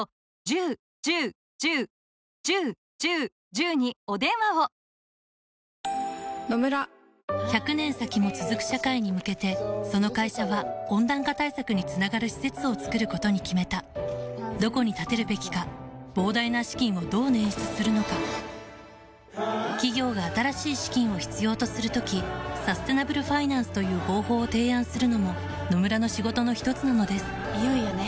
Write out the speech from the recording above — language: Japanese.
そのため、保健所は米の温度が高い状態で岩手県から長い距離を運ばれ１００年先も続く社会に向けてその会社は温暖化対策につながる施設を作ることに決めたどこに建てるべきか膨大な資金をどう捻出するのか企業が新しい資金を必要とする時サステナブルファイナンスという方法を提案するのも野村の仕事のひとつなのですいよいよね。